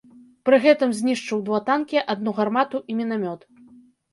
Пры гэтым знішчыў два танкі, адну гармату і мінамёт.